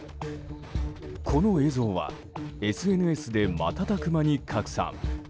この映像はＳＮＳで瞬く間に拡散。